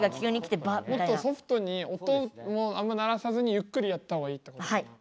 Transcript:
もっとソフトに音もあんま鳴らさずにゆっくりやった方がいいってことかな？